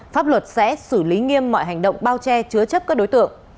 pháp luật sẽ xử lý nghiêm mọi hành động bao che chứa chấp các đối tượng